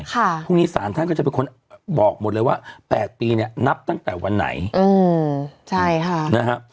พรุ่งนี้ศาลท่านก็จะเป็นคนบอกหมดเลยว่าแปดปีเนี่ยนับตั้งแต่วันไหนอืมใช่ค่ะนะฮะ